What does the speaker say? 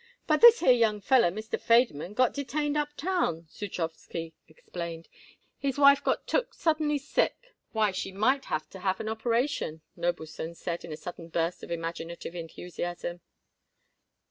"But this here young feller, Mr. Federmann, got detained uptown," Zudrowsky explained. "His wife got took suddenly sick." "Why, she may have to have an operation," Noblestone said in a sudden burst of imaginative enthusiasm.